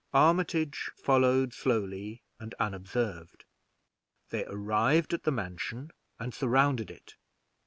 Armitage followed slowly and unobserved. They arrive at the mansion and surrounded it.